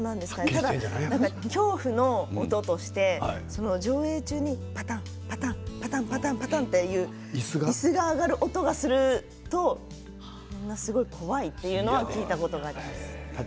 ただ恐怖の音として、上映中にぱたんぱたんっていういすが上がる音がするとみんな怖いっていうのは聞いたことがあります。